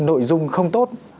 nội dung không tốt